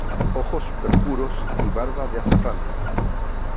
¡ ojos perjuros y barbas de azafrán !